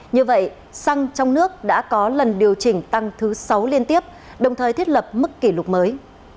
như vậy xăng trong nước đã có lần điều chỉnh tăng thứ sáu liên tiếp đồng thời thiết lập mức kỷ lục mới